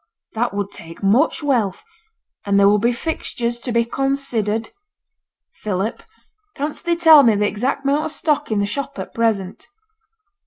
That would take much wealth. And there will be fixtures to be considered. Philip, canst thee tell me the exact amount of stock in the shop at present?'